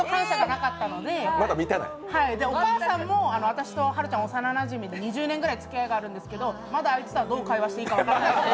お母さんも、私とはるちゃん幼なじみで２０年ぐらいおつきあいがあるんですけど、まだあいつとはどう会話したら分からないと。